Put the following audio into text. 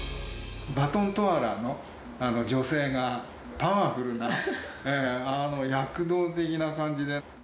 バトントワラーの女性が、パワフルな躍動的な感じで。